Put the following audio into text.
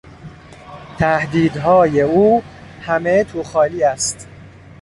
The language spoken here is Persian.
تهدیدهای او همه توخالی است.